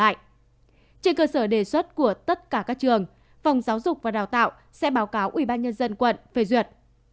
trên cơ sở đề xuất của tất cả các trường phòng giáo dục và đào tạo sẽ báo cáo ủy ban nhân dân quận phê duyệt